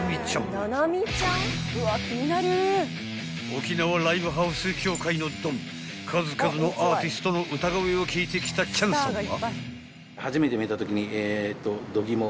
［沖縄ライブハウス協会のドン数々のアーティストの歌声を聴いてきた喜屋武さんは］